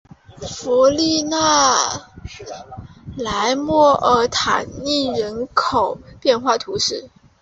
弗利讷莱莫尔塔涅人口变化图示